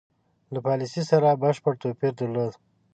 له پالیسی سره بشپړ توپیر درلود.